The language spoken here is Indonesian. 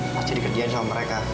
pasti dikerjain sama mereka